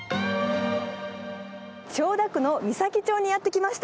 千代田区の三崎町にやって来ました。